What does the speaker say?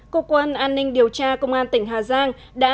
cơ quan an ninh điều tra công an tỉnh hà giang đã